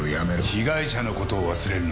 被害者のことを忘れるな。